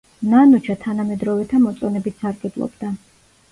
ნანუჩა თანამედროვეთა მოწონებით სარგებლობდა.